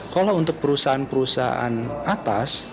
kalau untuk perusahaan perusahaan atas